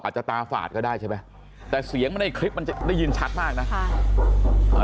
อาจจะตาฝาดก็ได้ใช่ไหมแต่เสียงในคลิปมันจะได้ยินชัดมากนะค่ะ